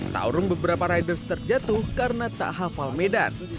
taurung beberapa riders terjatuh karena tak hafal medan